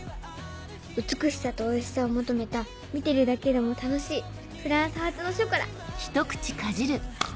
美しさとおいしさを求めた見てるだけでも楽しいフランス発のショコラ。